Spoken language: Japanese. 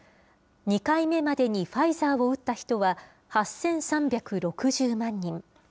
２回目までにファイザーを打った人は８３６０万人。